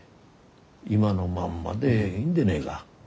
今のまんまでいいんでねえが？